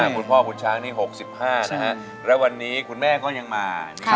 คุณพ่อคุณช้างนี่๖๕นะฮะแล้ววันนี้คุณแม่ก็ยังมา